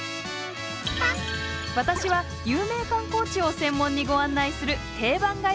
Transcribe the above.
私は有名観光地を専門にご案内する定番ガイドブックです。